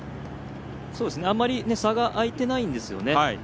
あまり差が開いてないんですよね。